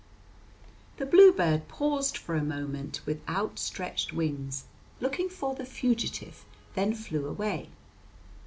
The bluebird paused for a moment with outstretched wings looking for the fugitive, then flew away.